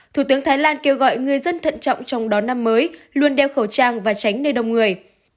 thủ tướng thái lan kêu gọi người dân thận trọng trong đón năm mới luôn đeo khẩu trang và tránh nơi đông người